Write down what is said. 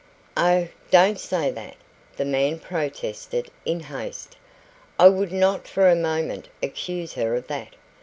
"Oh, don't say that!" the man protested, in haste. "I would not for a moment accuse her of that.